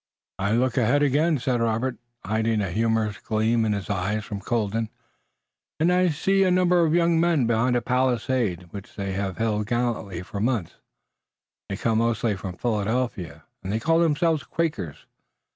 "I look ahead again," said Robert, hiding a humorous gleam in his eyes from Colden, "and I see a number of young men behind a palisade which they have held gallantly for months. They come mostly from Philadelphia and they call themselves Quakers.